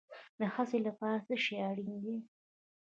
د هڅې لپاره څه شی اړین دی؟